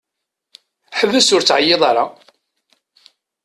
Ḥbes ur ttɛeyyiḍ ara!